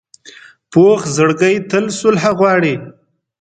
پوخ زړګی تل صلح غواړي